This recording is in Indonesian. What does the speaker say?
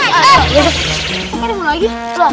kok ini lagi